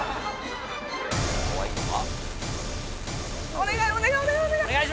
お願いお願いお願い！